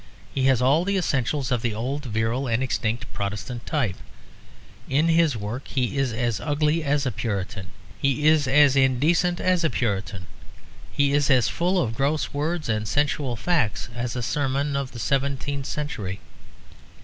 He has all the essentials of the old, virile and extinct Protestant type. In his work he is as ugly as a Puritan. He is as indecent as a Puritan. He is as full of gross words and sensual facts as a sermon of the seventeenth century.